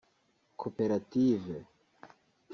Koperative